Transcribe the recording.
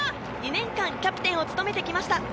２年間キャプテンを務めてきました。